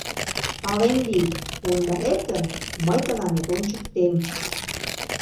— Пален лий, ондалет гын, мый тыланет ончыктем.